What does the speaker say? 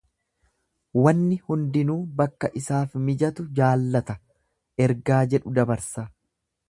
Waanni hundinuu bakka isaaf mijatu jaallata ergaa jedhu dabarsa.